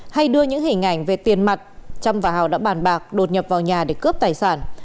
hay đưa những hình ảnh về tiền mặt trâm và hào đã bàn bạc đột nhập vào nhà để cướp tài sản